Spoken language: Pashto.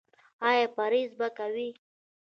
ایا پرهیز به کوئ؟